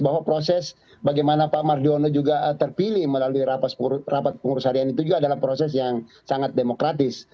bahwa proses bagaimana pak mardiono juga terpilih melalui rapat pengurus harian itu juga adalah proses yang sangat demokratis